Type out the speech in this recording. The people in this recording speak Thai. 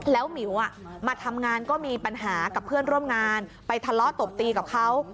แล้วหมิวมาทำงานก็มีปัญหากับเพื่อนร่วมงานไปทะเลาะตบตีกับเขา